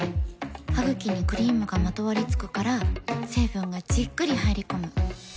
ハグキにクリームがまとわりつくから成分がじっくり入り込む。